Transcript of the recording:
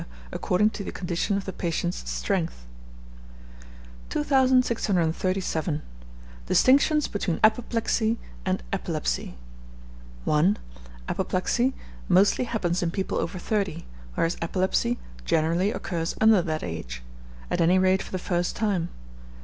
according to the condition of the patient's strength. 2637. Distinctions between Apoplexy and Epilepsy. 1. Apoplexy mostly happens in people over thirty, whereas epilepsy generally occurs under that ago; at any rate for the first time.